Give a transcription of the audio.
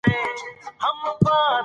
اوسنيو په هیڅ شي سرپه ونه کړه.